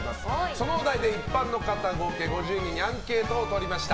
そのお題で、一般の方合計５０人にアンケートを取りました。